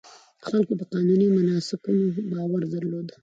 خلکو په قانوني مناسکونو باور درلود.